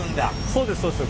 そうですそうです。